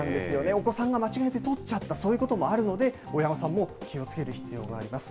お子さんが間違えて取っちゃった、そういうこともあるので、親御さんも気をつける必要があります。